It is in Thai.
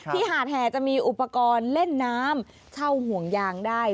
หาดแห่จะมีอุปกรณ์เล่นน้ำเช่าห่วงยางได้